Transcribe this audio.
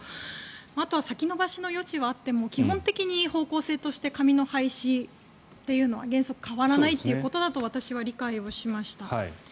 あとは先延ばしの余地はあっても基本的に方向性として紙の廃止というのは原則変わらないということだと私は理解をしました。